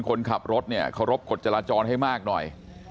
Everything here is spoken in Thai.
คนขับรถเนี่ยเคารพกฎจราจรให้มากหน่อย